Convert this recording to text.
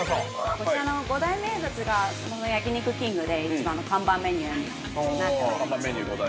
◆こちらの五大名物が焼肉きんぐで一番の看板メニューになっております。